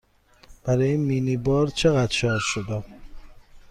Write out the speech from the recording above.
برای مینی بار چقدر شارژ شدم؟